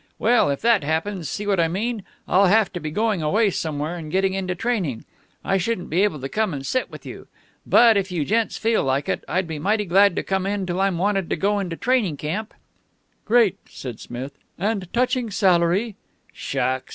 Well, if that happens, see what I mean? I'll have to be going away somewhere and getting into training. I shouldn't be able to come and sit with you. But, if you gents feel like it, I'd be mighty glad to come in till I'm wanted to go into training camp." "Great," said Smith. "And touching salary " "Shucks!"